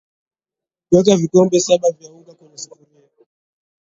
Weka vikombe saba vya unga kwenye sufuria